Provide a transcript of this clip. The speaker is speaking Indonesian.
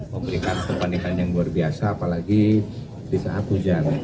memberikan kepanikan yang luar biasa apalagi di saat hujan